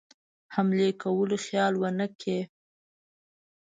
حملې کولو خیال ونه کړي.